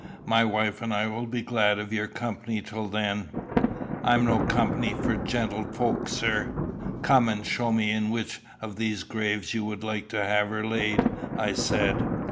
My wife and I will be glad of your company till then." "I'm no company for gentle fowk, sir." "Come and show me in which of these graves you would like to have her laid," I said.